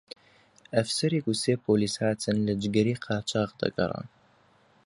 ئەفسەرێک و سێ پۆلیس هاتن لە جگەرەی قاچاغ دەگەڕان